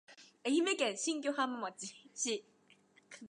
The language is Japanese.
愛媛県新居浜市